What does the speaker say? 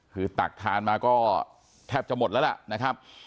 คือตักทานมาก็แทบจะหมดแล้ว